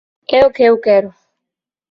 é o que eu quero.